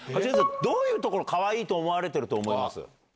どういうところかわいいと思われてると思います？